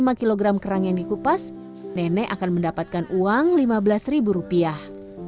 setiap lima kilogram kerang yang dikupas nenek akan mendapatkan uang lima belas rupiah